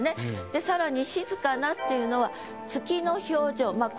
で更に「静かな」っていうのは月の表情まあ